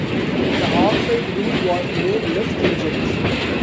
The offside rule was made less stringent.